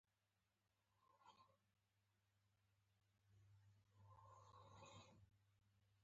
خپله یې هم څښم، کونیګاک، یوولس د برانډي تش بوتلونه.